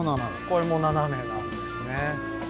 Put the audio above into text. これもナナメなんですね。